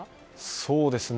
そうですね。